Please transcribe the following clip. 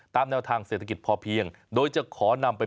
ตามแนวทางศาสตร์พระราชาของในหลวงราชการที่๙